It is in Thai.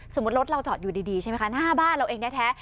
รถเราจอดอยู่ดีใช่ไหมคะหน้าบ้านเราเองแท้